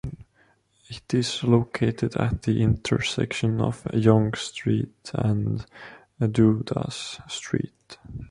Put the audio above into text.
It is located at the intersection of Yonge Street and Dundas Street.